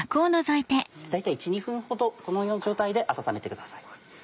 大体１２分ほどこの状態で温めてください。